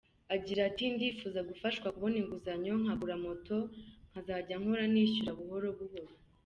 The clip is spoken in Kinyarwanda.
Agira ati” Ndifuza gufashwa kubona inguzanyo nkagura moto, nkazajya nkora nishyura buhoro buhoro”.